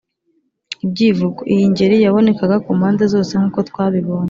Ibyivugo: iyi ngeri yabonekaga kumpande zose nk’uko twabibonye.